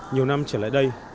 nhiều năm trở lại đây